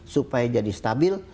supaya jadi stabil